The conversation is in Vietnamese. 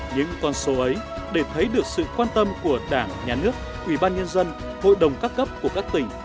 những con số ấy để thấy được sự quan tâm của đảng nhà nước ubnd hội đồng các cấp của các tỉnh